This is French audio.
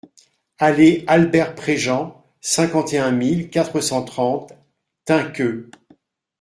Allée Albert Préjean, cinquante et un mille quatre cent trente Tinqueux